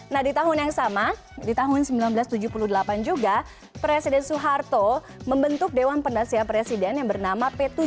nah di tahun yang sama di tahun seribu sembilan ratus tujuh puluh delapan juga presiden soeharto membentuk dewan penasihat presiden yang bernama p tujuh